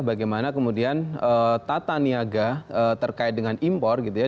bagaimana kemudian tata niaga terkait dengan impor gitu ya